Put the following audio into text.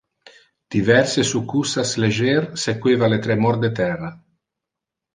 Diverse succussas legier sequeva le tremor de terra.